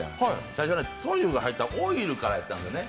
最初、トリュフが入ったオイルからやったんやね。